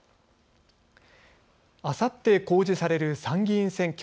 あさって公示される参議院選挙。